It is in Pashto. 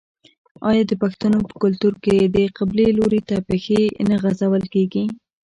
آیا د پښتنو په کلتور کې د قبلې لوري ته پښې نه غځول کیږي؟